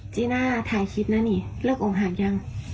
จีน่าถ่ายคลิปนะนีู่กองค์หางยัง